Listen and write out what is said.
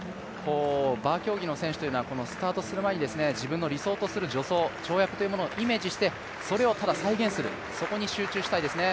バー競技の選手というのはスタートする前に自分の理想とする跳躍というものをイメージしてそれを、ただ再現するそこに集中したいですね。